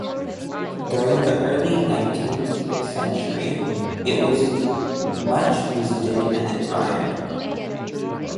During the early nineteenth century it was much visited and admired.